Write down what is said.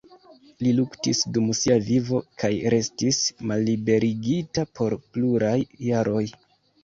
Li luktis dum sia vivo kaj restis malliberigita por pluraj jaroj.